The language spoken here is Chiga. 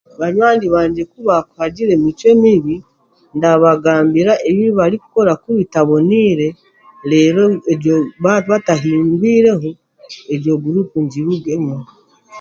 Banywani bangye ku baakuhagira emicwe mibi, ndabagambira ebi barikukora ku bitaboniire, reero ebyo baaba batahindwireho, egyo guruupu ngirugemu.